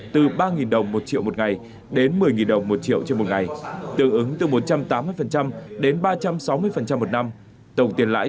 từ ba đồng một triệu một ngày đến một mươi đồng một triệu trên một ngày